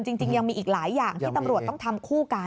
จริงยังมีอีกหลายอย่างที่ตำรวจต้องทำคู่กัน